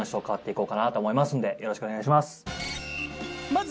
よろしくお願いします。